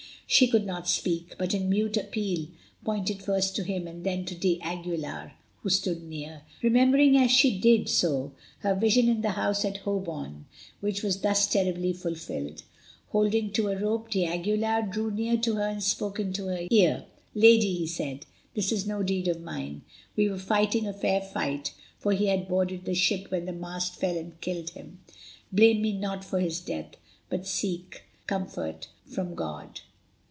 She could not speak, but in mute appeal pointed first to him and then to d'Aguilar, who stood near, remembering as she did so her vision in the house at Holborn, which was thus terribly fulfilled. Holding to a rope, d'Aguilar drew near to her and spoke into her ear. "Lady," he said, "this is no deed of mine. We were fighting a fair fight, for he had boarded the ship when the mast fell and killed him. Blame me not for his death, but seek comfort from God."